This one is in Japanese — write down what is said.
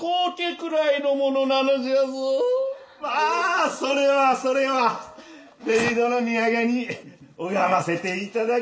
まあそれはそれは冥土の土産に拝ませていただきますでげす。